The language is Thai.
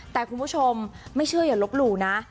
แต่คุณผู้ชมไม่เชื่ออย่าลบหลู่นะ